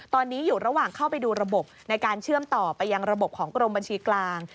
ตอนนี้อยู่ระหว่างเข้าไปดูระบบในการเชื่อมต่อไปยังระบบของกรมบัญชีกลาง